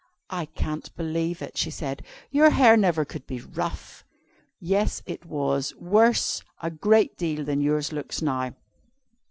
"I can't believe it," she said; "your hair never could be rough." "Yes it was worse, a great deal, than yours looks now.